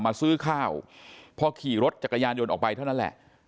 มาซื้อข้าวพอขี่รถจักรยานยนต์ออกไปเท่านั้นแหละ